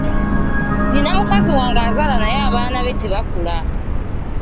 Nnina mukazi wange azaala naye abaana be tebakula.